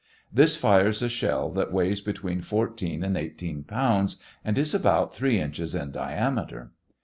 This fires a shell that weighs between fourteen and eighteen pounds and is about three inches in diameter.